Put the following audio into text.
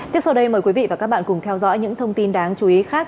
tiếp sau đây mời quý vị và các bạn cùng theo dõi những thông tin đáng chú ý khác